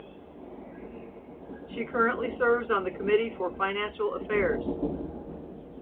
She currently serves on the Committee for Financial Affairs.